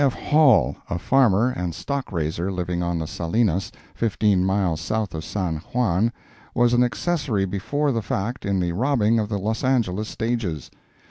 F. Hall, a farmer and stock raiser living on the Salinas, fifteen miles south of San Juan, was an accessory before the fact in the robbing of the Los Angeles stages.